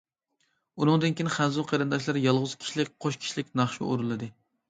ئۇنىڭدىن كېيىن خەنزۇ قېرىنداشلار يالغۇز كىشىلىك، قوش كىشىلىك ناخشا ئورۇنلىدى.